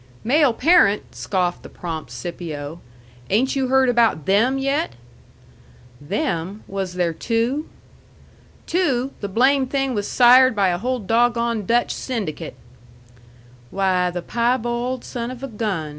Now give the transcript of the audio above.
"Male parent!" scoffed the prompt Scipio. "Ain't you heard about THEM yet?" "Them? Was there two?" "Two? The blamed thing was sired by a whole doggone Dutch syndicate." "Why, the piebald son of a gun!"